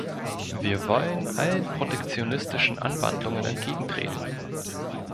Wir wollen allen protektionistischen Anwandlungen entgegentreten" .